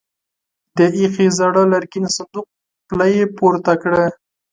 د ايښې زاړه لرګين صندوق پله يې پورته کړه.